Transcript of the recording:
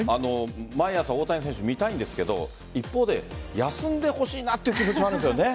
毎朝、大谷選手見たいんですけど一方で休んでほしいなという気持ちもあるんですよね。